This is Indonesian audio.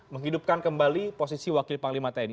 menghidupkan kembali posisi wakil panglima tni